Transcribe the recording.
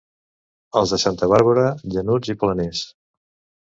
Els de Santa Bàrbara, llanuts i planers.